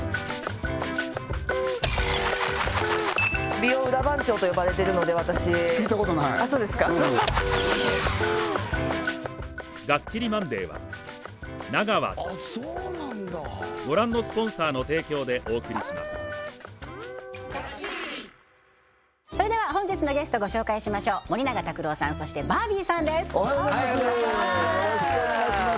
美容裏番長と呼ばれてるので私聞いたことないあっそうですか本日のゲストご紹介しましょう森永卓郎さんそしてバービーさんですおはようございますよろしくお願いします